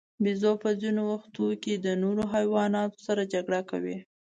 بیزو په ځینو وختونو کې د نورو حیواناتو سره جګړه کوي.